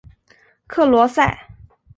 克罗塞。